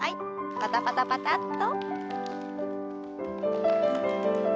パタパタパタッと。